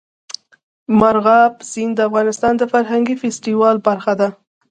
مورغاب سیند د افغانستان د فرهنګي فستیوالونو برخه ده.